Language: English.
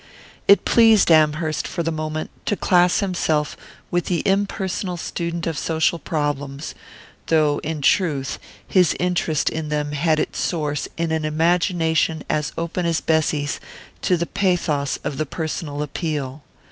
It pleased Amherst for the moment to class himself with the impersonal student of social problems, though in truth his interest in them had its source in an imagination as open as Bessy's to the pathos of the personal appeal.